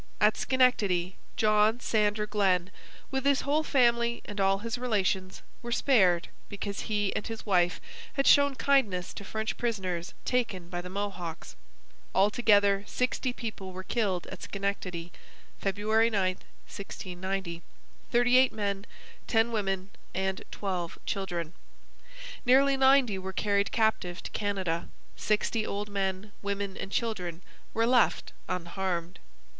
At Schenectady John Sander Glen, with his whole family and all his relations, were spared because he and his wife had shown kindness to French prisoners taken by the Mohawks. Altogether sixty people were killed at Schenectady (February 9, 1690), thirty eight men, ten women, and twelve children. Nearly ninety were carried captive to Canada. Sixty old men, women, and children were left unharmed.